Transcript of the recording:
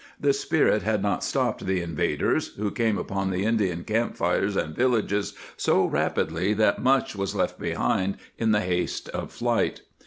^ The Spirit had not stopped the invaders, who came upon the Indian camp fires and villages so rapidly that much was left behind in the haste of flight.